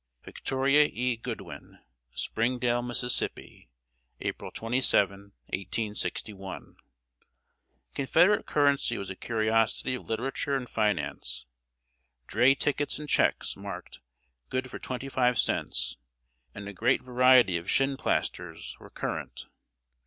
"Victoria E. Goodwin." "Spring Dale, Miss., April 27, 1861." Confederate currency was a curiosity of literature and finance. Dray tickets and checks, marked "Good for twenty five cents," and a great variety of shinplasters, were current.